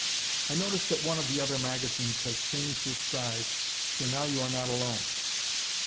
I notice that one of the other magazines has changed its size, so now you are not alone.